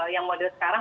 yang model sekarang